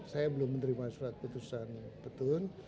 saya belum menerima surat keputusan petun